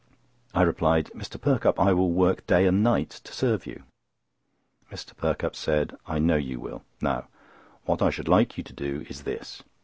I replied: "Mr. Perkupp, I will work day and night to serve you!" Mr. Perkupp said: "I know you will. Now, what I should like you to do is this.